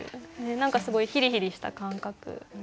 何かすごいヒリヒリした感覚。